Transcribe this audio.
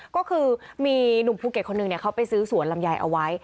ก็คือมีหนุ่มภูเก็ตคนหนึ่งเขาไปซื้อสวนลำไยเอาไว้